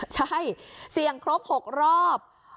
ใช่เสี่ยงครบ๖รอบ